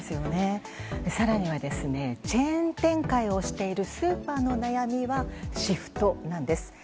更にはチェーン展開をしているスーパーの悩みはシフトなんです。